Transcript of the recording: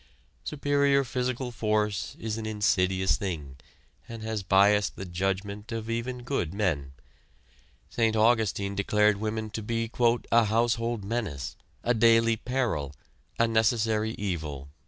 Superior physical force is an insidious thing, and has biased the judgment of even good men. St. Augustine declared woman to be "a household menace; a daily peril; a necessary evil."